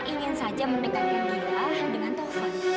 cuma mama ingin saja memegangnya dia dengan taufan